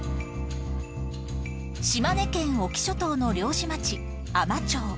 島根県隠岐諸島の漁師町海士町